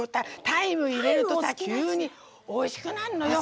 タイム入れるとさ急においしくなるのよ！